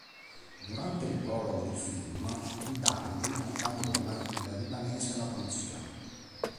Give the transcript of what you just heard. Durante il prologo del film, il Dandi abbandona il Libanese alla polizia.